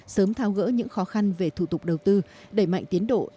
sớm thao gỡ những khó khăn về thủ tục đầu tư đẩy mạnh tiến độ